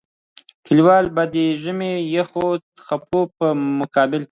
کلیوالو به د ژمي د يخو څپو په مقابل کې.